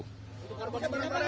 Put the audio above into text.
bagaimana perbedaan di dalam